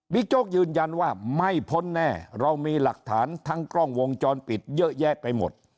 โจ๊กยืนยันว่าไม่พ้นแน่เรามีหลักฐานทั้งกล้องวงจรปิดเยอะแยะไปหมด